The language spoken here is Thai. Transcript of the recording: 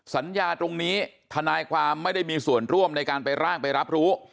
สัญญาตรงนี้ทนายความไม่ได้มีส่วนร่วมในการไปร่างไปรับรู้